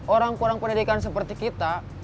orang kurang pendidikan seperti kita